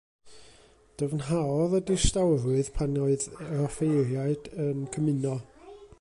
Dyfnhaodd y distawrwydd pan oedd yr offeiriad yn cymuno.